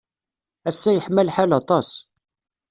Ass-a yeḥma lḥal aṭas.